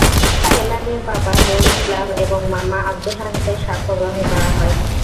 ফেলানীর বাবা নুর ইসলাম এবং মামা আবদুল হানিফের সাক্ষ্য গ্রহণ করা হয়।